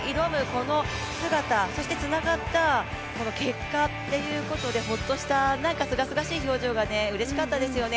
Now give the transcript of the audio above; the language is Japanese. この姿そしてつながった結果ということでホッとした、すがすがしい表情がうれしかったですよね。